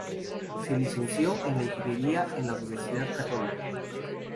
Se licenció en ingeniería en la universidad Católica.